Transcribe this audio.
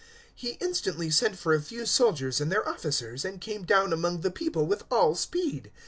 021:032 He instantly sent for a few soldiers and their officers, and came down among the people with all speed.